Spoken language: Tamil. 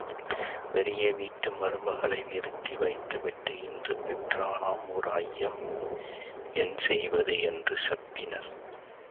வெளியே வீட்டு மருமகளை நிறுத்தி வைத்து விட்டு இன்று பெற்றனம் ஒர் ஐயம் என் செய்வது? என்று செப்பினர்.